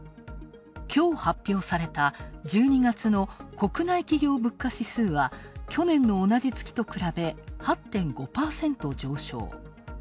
きょう発表された１２月の国内企業物価指数は去年の同じ月と比べ８．５％上昇。